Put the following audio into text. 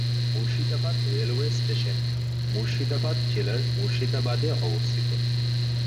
Murshidabad railway station Murshidabad জেলার মুর্শিদাবাদে অবস্থিত।